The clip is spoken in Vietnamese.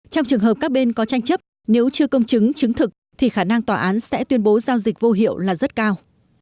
trong trường hợp các bên có tranh chấp nếu chưa công chứng chứng thực thì khả năng tòa án sẽ tuyên bố giao dịch vô hiệu là rất cao